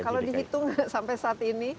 kalau dihitung sampai saat ini